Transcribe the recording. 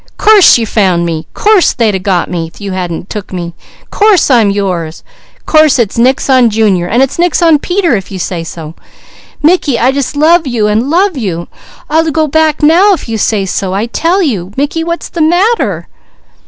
Course, you found me! Course, they'd a got me, if you hadn't took me. Course, I'm yours! Course, it's nix on Junior, an' it's nix on Peter if you say so. Mickey, I jus' love you an' love you. I'll go back now if you say so, I tell you. Mickey what's the matter?"